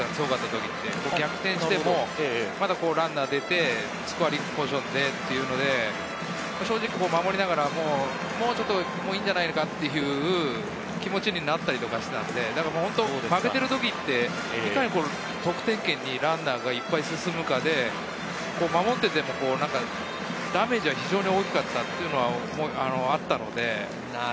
逆転しても、まだランナーが出て、スコアリングポジションでというので、守りながら、もういいんじゃないかという気持ちになったりとかしていたので、負けているときって、得点圏にランナーがいっぱい進むかで、守っていても、ダメージは非常に大きかったというのがあるので。